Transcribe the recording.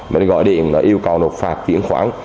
để gọi điện yêu cầu nộp phạt chuyển khoản